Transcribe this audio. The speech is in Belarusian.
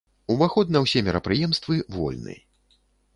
Уваход на ўсе мерапрыемствы вольны.